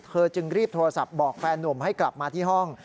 จึงรีบโทรศัพท์บอกแฟนนุ่มให้กลับมาที่ห้อง